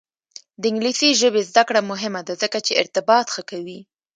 د انګلیسي ژبې زده کړه مهمه ده ځکه چې ارتباط ښه کوي.